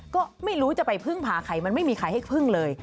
ก็ไม่รู้จะไปพึ่งพาใครมันไม่มีใครให้พึ่งเลย